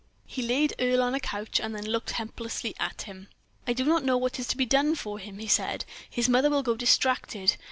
He laid Earle on a couch, and then looked helplessly at him. "I do not know what is to be done for him," he said. "His mother will go distracted.